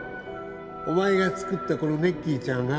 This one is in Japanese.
お前が作ったこのネッキーちゃんが